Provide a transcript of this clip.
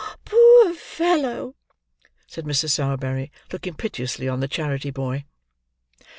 "Poor fellow!" said Mrs. Sowerberry: looking piteously on the charity boy.